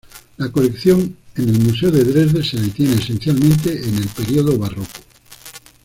La colección en el museo de Dresde se detiene esencialmente en el período barroco.